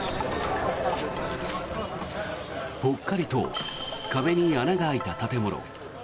ぽっかりと壁に穴が開いた建物。